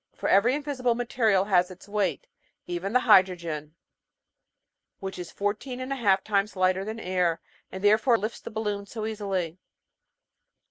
For every invisible mate rial has its weight, even the hydrogen, which is fourteen and a half times lighter than air, and therefore lifts the balloon so easily.